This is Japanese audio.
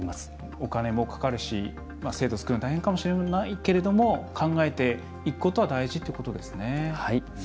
お金もかかるし制度を作るのは大変かもしれないけど考えていくことは大事ということですね。